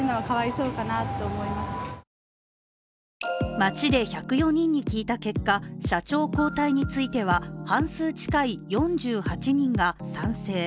街で１０４人に聞いた結果、社長交代については半数近い４８人が賛成。